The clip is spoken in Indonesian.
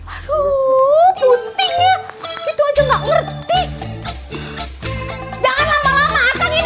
aduh pusingnya itu aja nggak ngerti